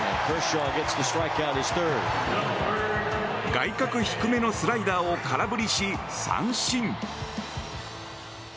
外角低めのスライダーを空振りし、三振。